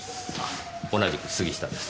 同じく杉下です。